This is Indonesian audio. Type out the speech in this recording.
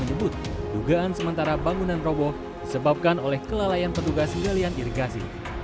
menyebut dugaan sementara bangunan roboh disebabkan oleh kelalaian petugas galian irigasi